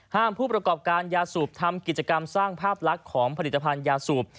ผู้ประกอบการยาสูบทำกิจกรรมสร้างภาพลักษณ์ของผลิตภัณฑ์ยาสูบ